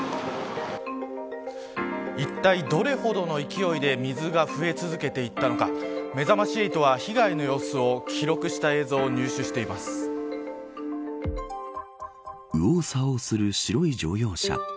いったい、どれほどの勢いで水が増え続けていったのかめざまし８は被害の様子を記録した映像を右往左往する白い乗用車。